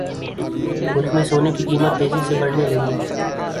ملک میں سونے کی قیمت تیزی سے بڑھنے لگی